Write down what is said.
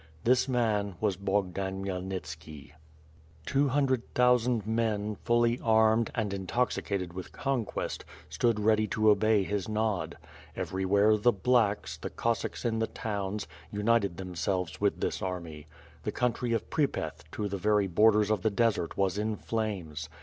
This man was Bogdan KhmyelnitsM. 192 WITH FIRE AKD BWORD. 195 Two hundred thousand men, fully armed, and intoxicated with conquest, stood ready to obey his nod. Everywhere the ^•blacks,*' the Cossacks in the towns, united themselves with this army. The country of Pripeth, to the very borders of the desert was in flames.